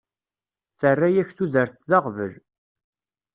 Terra-yak tudert d aɣbel.